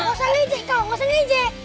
gak usah ngejek kau gak usah ngejek